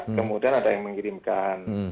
kemudian ada yang mengirimkan